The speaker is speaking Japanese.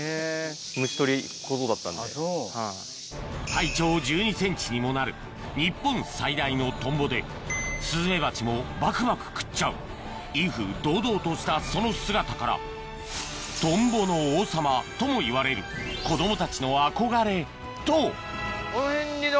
体長１２ｃｍにもなる日本最大のトンボでスズメバチもバクバク食っちゃう威風堂々としたその姿からトンボの王様ともいわれる子供たちの憧れと！